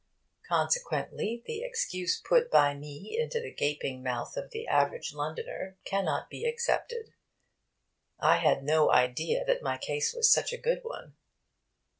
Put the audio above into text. Consequently, the excuse put by me into the gaping mouth of the average Londoner cannot be accepted. I had no idea that my case was such a good one.